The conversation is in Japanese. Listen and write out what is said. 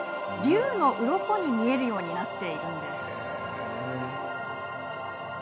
竜のうろこに見えるようになっているんです。